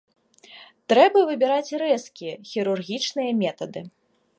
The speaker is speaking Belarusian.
Трэба выбіраць рэзкія, хірургічныя метады.